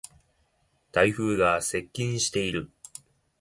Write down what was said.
台風が接近している。